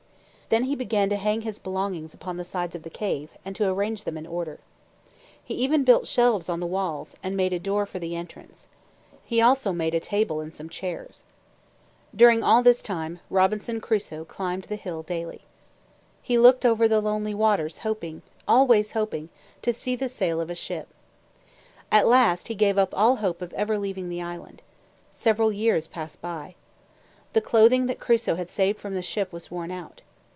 Then he began to hang his belongings upon the sides of the cave, and to arrange them in order. He even built shelves on the walls, and made a door for the entrance. He also made a table and some chairs. During all this time, Robinson Crusoe climbed the hill daily. He looked over the lonely waters hoping always hoping to see the sail of a ship. At last he gave up all hope of ever leaving the island. Several years passed by. The clothing that Crusoe had saved from the ship was worn out.